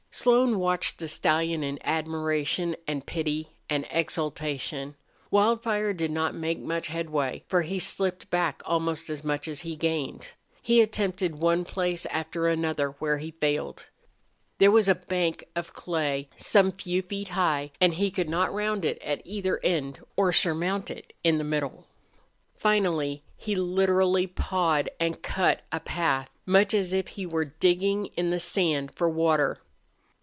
Slone watched the stallion in admiration and pity and exultation. Wildfire did not make much headway, for he slipped back almost as much as he gained. He attempted one place after another where he failed. There was a bank of clay, some few feet high, and he could not round it at either end or surmount it in the middle. Finally he literally pawed and cut a path, much as if he were digging in the sand for water.